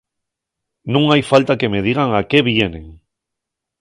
Nun hai falta que me digan a qué vienen.